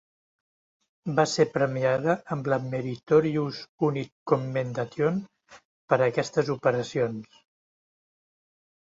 Va ser premiada amb la Meritorious Unit Commendation per aquestes operacions.